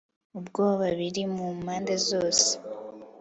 ubwoba biri mu mpande zose